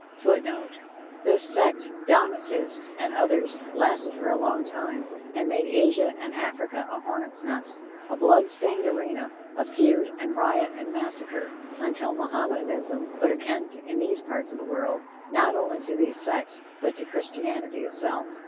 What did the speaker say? [Footnote: This sect (Donatist) and others, lasted for a long time, and made Asia and Africa a hornet's nest, a blood stained arena, of feud and riot and massacre, until Mohammedanism put an end, in these parts of the world, not only to these sects, but to Christianity itself.